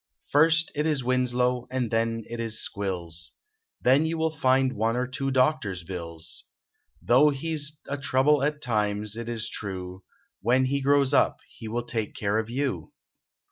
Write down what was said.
First it is Winslow and then it is squills, Then you will find one or two doctor s bills, Though he s a trouble at times, it is true, When he grows up he will take care of you.